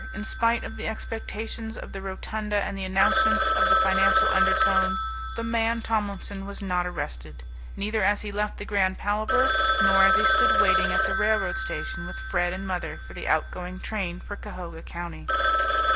In spite of the expectations of the rotunda and the announcements of the Financial Undertone, the "man Tomlinson" was not arrested, neither as he left the Grand Palaver nor as he stood waiting at the railroad station with Fred and mother for the outgoing train for Cahoga County.